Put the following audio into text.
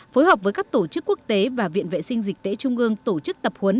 phối hợp với các tổ chức quốc tế và viện vệ sinh dịch tễ trung ương tổ chức tập huấn